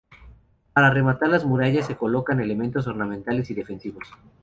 Para rematar las murallas se colocan elementos ornamentales y defensivos.